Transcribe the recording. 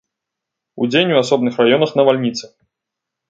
Удзень у асобных раёнах навальніцы.